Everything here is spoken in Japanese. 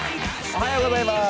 おはようございます。